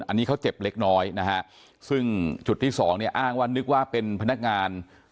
อันนี้เขาเจ็บเล็กน้อยนะฮะซึ่งจุดที่สองเนี่ยอ้างว่านึกว่าเป็นพนักงาน